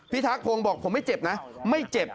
พิธักภงบอกผมไม่เจ็บนะไม่เจ็บ